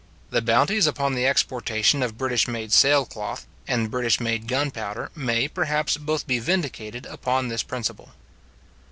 The bounties upon the exportation of British made sail cloth, and British made gunpowder, may, perhaps, both be vindicated upon this principle.